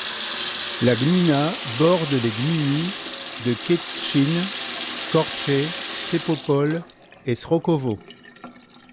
La gmina borde les gminy de Kętrzyn, Korsze, Sępopol et Srokowo.